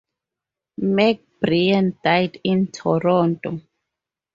MacBrien died in Toronto.